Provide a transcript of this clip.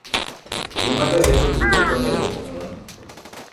Gima derepe duto onego ong'e